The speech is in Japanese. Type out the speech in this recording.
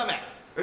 え？